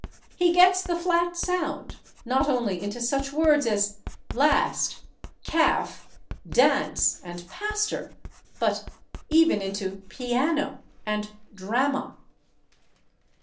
He gets the flat sound, not only into such words as /last/, /calf/, /dance/ and /pastor/, but even into /piano/ and /drama